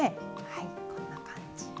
はいこんな感じ。